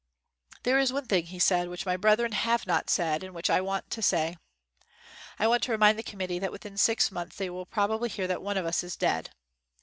" There is one thing," he said, " which my brethren have not said, and which I want to say. I want to remind the committee that within six months they will probably hear that one of us is dead."